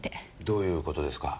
どういう事ですか？